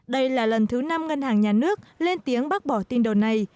đây là lần thứ năm ngân hàng nhà nước lên tiếng bác bỏ tin đồn này